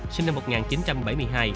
sinh năm một nghìn chín trăm bảy mươi hai